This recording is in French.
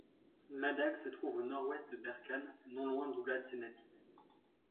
Madagh se trouve au nord-ouest de Berkane, non loin d'Oulad Zenati.